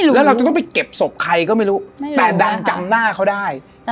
แล้วเราจะต้องไปเก็บศพใครก็ไม่รู้แต่ดันจำหน้าเขาได้